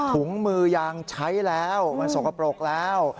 ถุงมือยางใช้แล้วมันสกปรกแล้ว